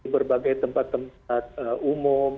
berbagai tempat tempat umum